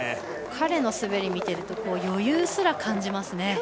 彼の滑り、見てると余裕すら感じますね。